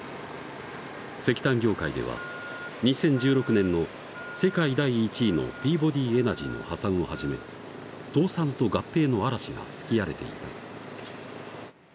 石炭業界では２０１６年の世界第１位のピーボディ・エナジーの破産をはじめ倒産と合併の嵐が吹き荒れていた。